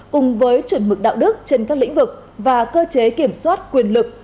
cùng với chuẩn mực đạo đức trên các lĩnh vực và cơ chế kiểm soát quyền lực